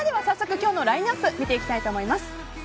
早速、今日のラインアップを見ていきたいと思います。